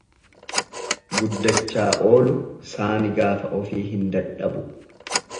Guddachaa oolu saani gaafa ofii hin dadhabu.